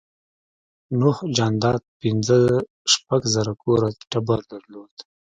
نوح جاندار پنځه شپږ زره کوره ټبر درلود.